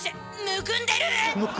むくんでる。